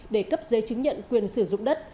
để cấp giấy chứng nhận quyền sử dụng đất